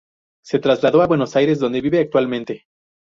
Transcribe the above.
Se trasladó a Buenos Aires, donde vive actualmente.